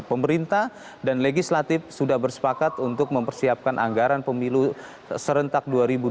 pemerintah dan legislatif sudah bersepakat untuk mempersiapkan anggaran pemilu serentak dua ribu dua puluh